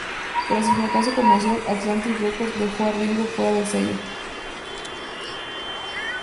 Tras el fracaso comercial, Atlantic Records dejó a Ringo fuera del sello.